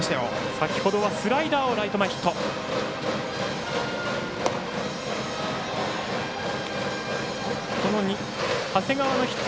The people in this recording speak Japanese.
先ほどはスライダーをライト前ヒット。